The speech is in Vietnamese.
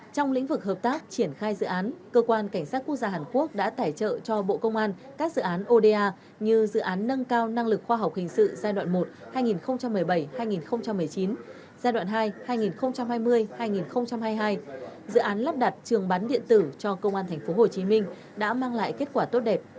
trong lĩnh vực hợp tác triển khai dự án cơ quan cảnh sát quốc gia hàn quốc đã tài trợ cho bộ công an các dự án oda như dự án nâng cao năng lực khoa học hình sự giai đoạn một hai nghìn một mươi bảy hai nghìn một mươi chín giai đoạn hai hai nghìn hai mươi hai nghìn hai mươi hai dự án lắp đặt trường bán điện tử cho công an tp hcm đã mang lại kết quả tốt đẹp